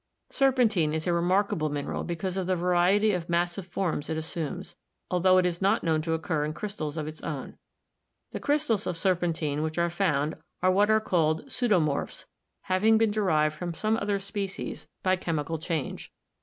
Serpentine is a remarkable mineral because of the variety of massive forms it assumes, altho it is not known to occur in crystals of its own. The c^stals of serpentine which are found are what are called pseudomorphs, hav ing been derived from some other species by chemical DESCRIPTIVE MINERALOGY 277 change.